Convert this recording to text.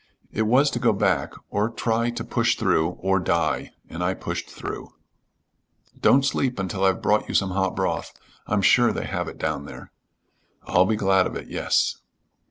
It was to go back, or try to push through or die and I pushed through." "Don't sleep until I've brought you some hot broth. I'm sure they have it down there." "I'll be glad of it, yes."